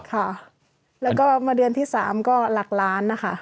ค่ะแล้วก็มาเดือนที่๓ก็หลักล้านนะคะ